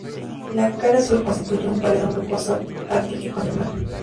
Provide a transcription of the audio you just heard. La cara sur constituye un paredón rocoso a pique con el mar.